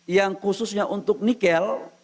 yang khususnya untuk nikel